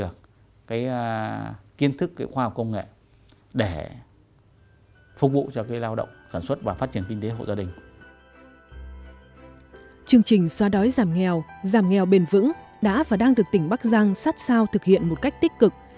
chương trình xóa đói giảm nghèo giảm nghèo bền vững đã và đang được tỉnh bắc giang sát sao thực hiện một cách tích cực